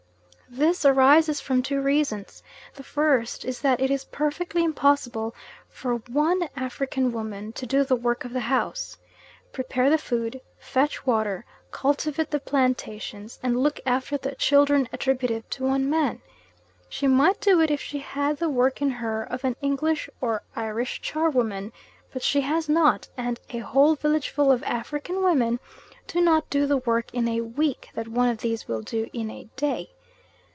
This arises from two reasons; the first is that it is perfectly impossible for one African woman to do the work of the house, prepare the food, fetch water, cultivate the plantations, and look after the children attributive to one man. She might do it if she had the work in her of an English or Irish charwoman, but she has not, and a whole villageful of African women do not do the work in a week that one of these will do in a day.